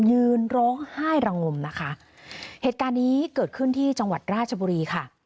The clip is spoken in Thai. ยืนร้องไห้ระงมนะคะเหตุการณ์นี้เกิดขึ้นที่จังหวัดราชบุรีค่ะ